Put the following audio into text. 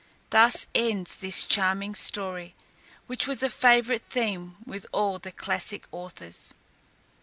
Thus ends this charming story, which was a favourite theme with all the classic authors.